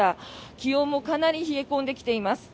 気温もかなり冷え込んできています。